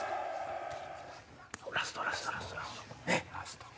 ラストラストラスト。